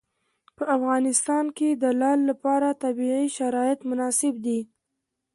په افغانستان کې د لعل لپاره طبیعي شرایط مناسب دي.